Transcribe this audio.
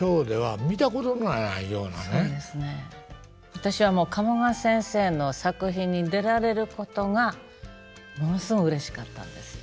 私はもう鴨川先生の作品に出られることがものすごいうれしかったんですよ。